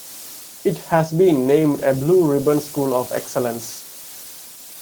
It has been named a Blue Ribbon School of Excellence.